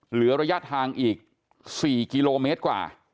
เหลือระยะทางอีก๔กิโลเมตรกว่า